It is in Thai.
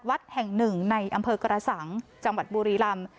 วัดแห่งหนึ่งในอำเภอกระสังจังหวัดบุรีลำ